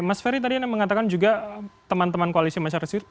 mas ferry tadi mengatakan juga teman teman koalisi masyarakat